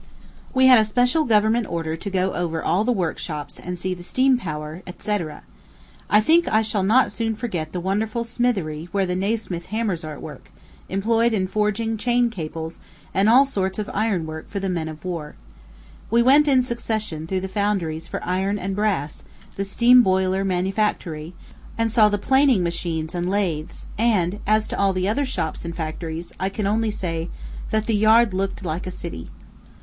We had a special government order to go over all the workshops and see the steam power, &c., &c. I think I shall not soon forget the wonderful smithery where the Nasmyth hammers are at work, employed in forging chain cables and all sorts of iron work for the men of war. We went in succession through the founderies for iron and brass, the steam boiler manufactory, and saw the planing machines and lathes; and as to all the other shops and factories, I can only say, that the yard looked like a city.